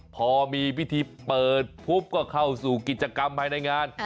พอมีพิธีเปิดปุ๊บก็เข้าสู่กิจกรรมภายในงาน